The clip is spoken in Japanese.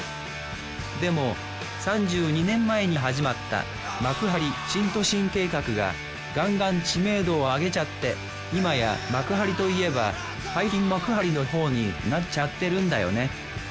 でも３２年前に始まった幕張新都心計画がガンガン知名度を上げちゃって今や幕張といえば海浜幕張のほうになっちゃってるんだよね。